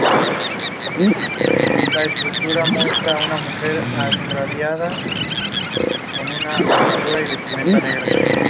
Posteriormente fue utilizado como garaje del parque municipal de automóviles y camiones.